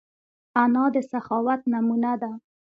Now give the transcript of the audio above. انا د سخاوت نمونه ده